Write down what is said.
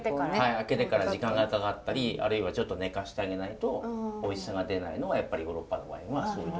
開けてから時間がかかったりあるいはちょっと寝かしてあげないとおいしさが出ないのはやっぱりヨーロッパのワインはそういうところ。